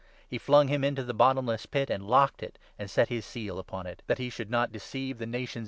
He flung him into the bottomless pit and locked it, and set 3 his seal upon it ; that he should not deceive the nations any » Ezek.